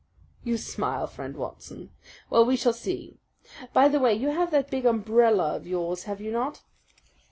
You smile, Friend Watson. Well, we shall see. By the way, you have that big umbrella of yours, have you not?"